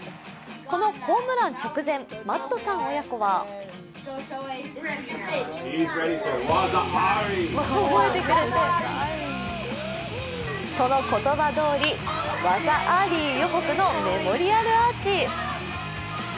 このホームラン直前、マットさん親子はその言葉通り、技アリ予告のメモリアルアーチ。